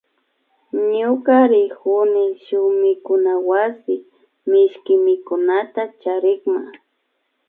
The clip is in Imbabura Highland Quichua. Ñuka rikuni shuk mikunawasi mishki mikunata charikma